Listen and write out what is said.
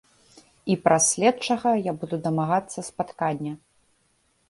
І праз следчага я буду дамагацца спаткання.